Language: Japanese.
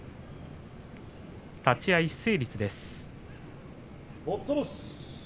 立ち合い不成立です。